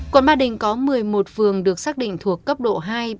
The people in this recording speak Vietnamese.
quận ba đình có một mươi một phường được xác định thuộc cấp độ hai ba